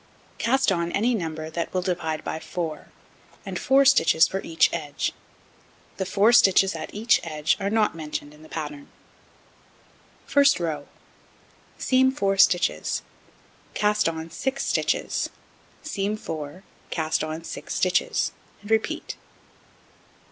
Cast on any number that will divide by 4, and 4 stitches for each edge. The 4 stitches at each edge are not mentioned in the pattern. First row: Seam 4 stitches, cast on 6 stitches, seam 4, cast on 6 stitches, and repeat.